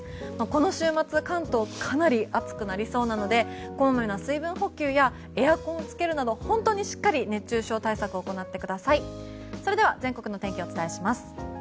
この週末、関東はかなり暑くなりそうなのでこまめな水分補給やエアコンをつけるなど本当にしっかり熱中症対策を行ってください。